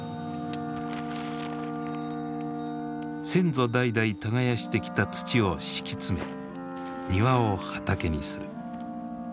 先祖代々耕してきた土を敷き詰め庭を畑にする。